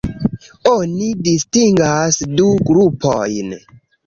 Oni distingas du grupojn.